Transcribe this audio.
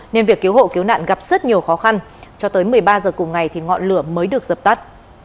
nên việc cứu hộ cứu nạn gặp rất nhiều khó khăn cho tới một mươi ba h cùng ngày thì ngọn lửa mới được dập tắt